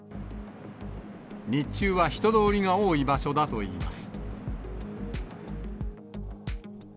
日中は人通りが多い場所だといいます。